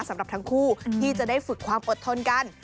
สำหรับทั้งคู่ที่จะได้ฝึกความอดทนกัน